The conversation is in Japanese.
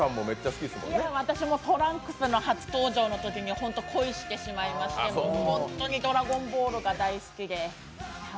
私もトランクスの初登場のときに恋してしまいましてホントに「ドラゴンボール」が大好きで。